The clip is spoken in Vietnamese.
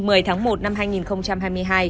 ngày một mươi tháng một năm hai nghìn hai mươi hai